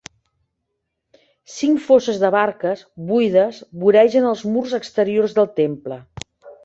Cinc fosses de barques, buides, voregen els murs exteriors del temple.